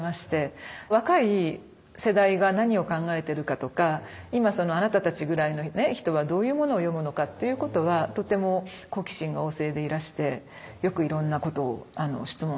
若い世代が何を考えてるかとか今そのあなたたちぐらいの人はどういうものを読むのかっていうことはとても好奇心が旺盛でいらしてよくいろんなことを質問されましたね。